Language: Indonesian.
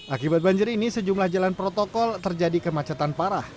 akibat banjir ini sejumlah jalan protokol terjadi kemacetan parah